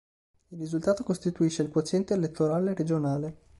Il risultato costituisce il quoziente elettorale regionale.